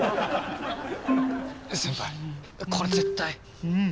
先輩これ絶対。